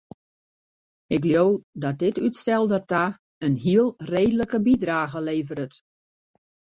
Ik leau dat dit útstel dêrta in heel reedlike bydrage leveret.